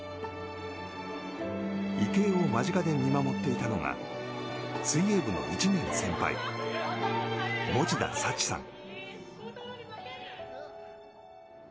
池江を間近で見守っていたのが水泳部の１年先輩持田早智さん。